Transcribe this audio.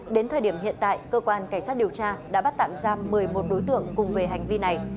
đến thời điểm hiện tại cơ quan cảnh sát điều tra đã bắt tạm giam một mươi một đối tượng cùng về hành vi này